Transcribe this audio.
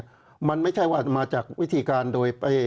จะสามารถหาเงินเข้ามาเนี่ยมันไม่ใช่ว่าจะมาจากวิธีการโดยไป